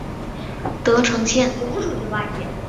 德城线